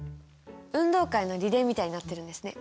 運動会のリレーみたいになってるんですね。